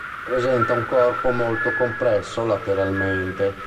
Presenta un corpo molto compresso lateralmente.